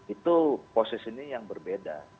itu posisinya yang berbeda